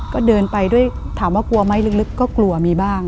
ก็เดินไปด้วยถามว่ากลัวไหมลึกก็กลัวมีบ้าง